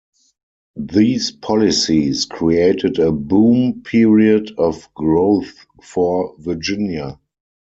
These policies created a boom period of growth for Virginia.